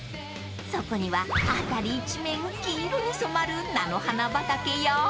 ［そこには辺り一面黄色に染まる菜の花畑や］